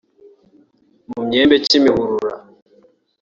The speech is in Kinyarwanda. Mu myembe-Kimihurura